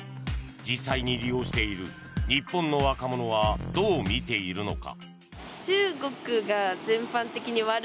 実際に利用している日本の若者はどう見ているのか。